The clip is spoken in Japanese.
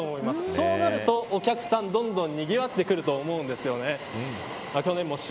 そうなるとお客さんどんどんにぎわってくると思うんですよね。